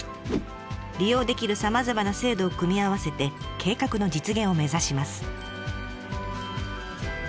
利用できるさまざまな制度を組み合わせて計画の実現を目指します。